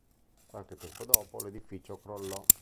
Qualche tempo dopo l'edificio crollò.